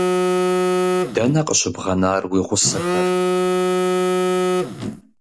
Дэнэ къыщыбгъэнар уи гъусэхэр?